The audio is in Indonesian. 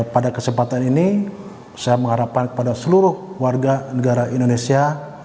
pada kesempatan ini saya mengharapkan kepada seluruh warga negara indonesia